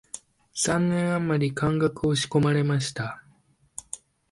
三年あまり漢学を仕込まれました